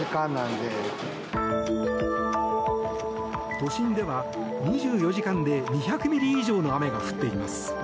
都心では、２４時間で２００ミリ以上の雨が降っています。